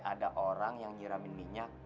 ada orang yang nyiramin minyak